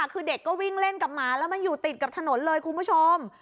คือเด็กก็วิ่งเล่นกับหมาแล้วมันอยู่ติดกับถนนเลยคุณผู้ชม